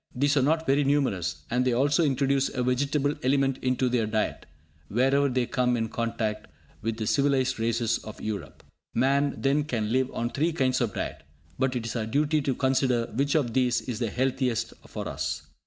These are not very numerous, and they also introduce a vegetable element into their diet, wherever they come in contact with the civilised races of Europe. Man, then, can live on three kinds of diet; but it is our duty to consider which of these is the healthiest for us.